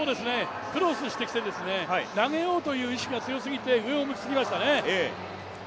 クロスしてきて、投げようという意識が強すぎて上を向きすぎましたね。